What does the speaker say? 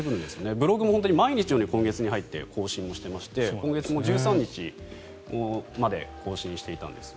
ブログも今月に入って毎日のように更新していまして今月も１３日まで更新していたんです。